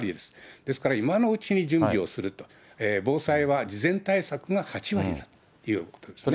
ですから今のうちに準備をすると、防災は事前対策が８割ということですね。